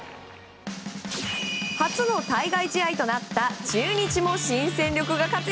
初の対外試合となった中日も新戦力が活躍。